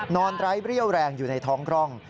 ไร้เรี่ยวแรงอยู่ในท้องร่อง